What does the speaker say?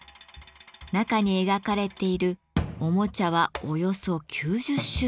中に描かれているおもちゃはおよそ９０種類。